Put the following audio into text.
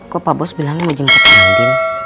kok pak bos bilang mau jemput ke andin